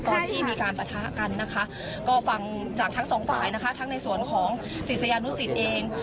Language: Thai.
ตอนที่มีการปะทะกันนะคะก็ฟังจากทั้งสองฝ่ายนะคะทั้งในส่วนของศิษยานุสิตเอง